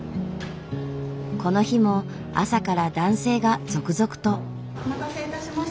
この日も朝から男性が続々と。